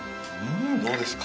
どうですか？